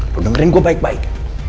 lo dengerin gua baik baik